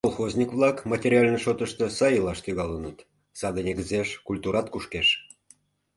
— Колхозник-влак материально шотышто сай илаш тӱҥалыныт, саде негызеш культурат кушкеш.